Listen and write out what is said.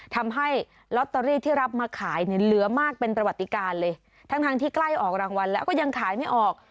ทำให้ลอตเตอรี่ที่รับมาขายเนี่ยเหลือมากเป็นประวัติการเลยทั้งทั้งที่ใกล้ออกรางวัลแล้วก็ยังขายไม่ออก